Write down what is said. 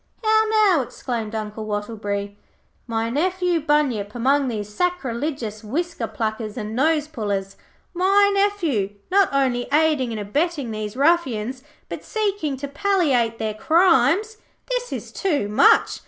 'How now,' exclaimed Uncle Wattleberry. 'My nephew Bunyip among these sacrilegious whisker pluckers and nose pullers. My nephew, not only aiding and abetting these ruffians, but seeking to palliate their crimes! This is too much.